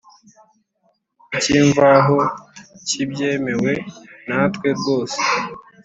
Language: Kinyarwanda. icy imvaho cy ibyemewe natwe rwose